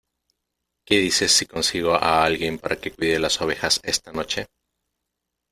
¿ Qué dices si consigo a alguien para que cuide las ovejas esta noche?